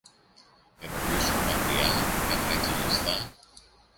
ενώ πίσω, μακριά, κατρακυλιστά